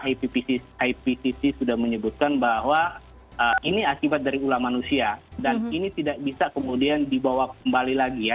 ipcc sudah menyebutkan bahwa ini akibat dari ulam manusia dan ini tidak bisa kemudian dibawa kembali lagi ya